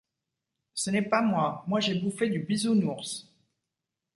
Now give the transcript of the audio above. Ce n’est pas moi : moi, j’ai bouffé du Bisounours.